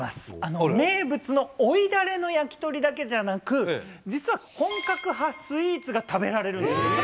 名物のおいだれの焼き鳥だけじゃなく実は本格派スイーツが食べられるんです。